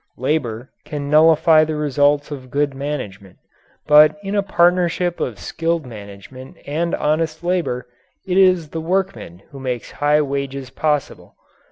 Labour can nullify the results of good management. But in a partnership of skilled management and honest labour, it is the workman who makes high wages possible.